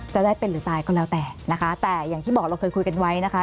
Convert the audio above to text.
จะได้เป็นหรือตายก็แล้วแต่นะคะแต่อย่างที่บอกเราเคยคุยกันไว้นะคะ